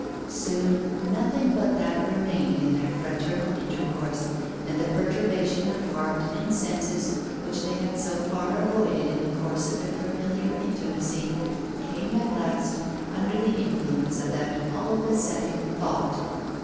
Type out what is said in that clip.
Soon nothing but that remained in their fraternal intercourse. And the perturbation of heart and senses which they had so far avoided in the course of their familiar intimacy, came at last, under the influence of the all besetting thought.